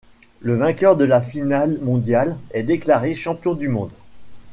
Le vainqueur de la Finale Mondiale est déclaré Champion du Monde.